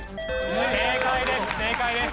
正解です。